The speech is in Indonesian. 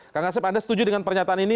kang asep anda setuju dengan pernyataan ini